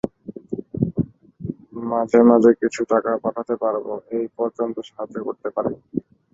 মাঝে মাঝে কিছু কিছু টাকা পাঠাতে পারব, এই পর্যন্ত সাহায্য করতে পারি।